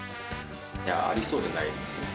ありそうでないですね。